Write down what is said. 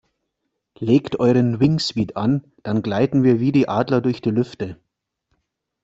Legt euren Wingsuit an, dann gleiten wir wie die Adler durch die Lüfte!